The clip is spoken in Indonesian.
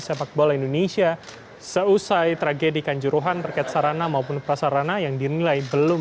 sepakbola indonesia seusai tragedi kanjuruhan rakyat sarana maupun prasarana yang dinilai belum